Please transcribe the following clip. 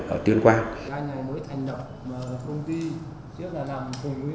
ở tiên quang